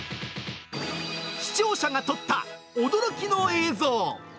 視聴者が撮った驚きの映像。